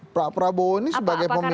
pak prabowo ini sebagai pemimpin